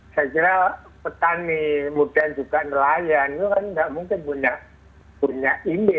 saya kira petani muda juga nelayan itu kan nggak mungkin punya email